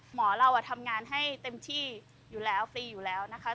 เราทำงานให้เต็มที่อยู่แล้วฟรีอยู่แล้วนะคะ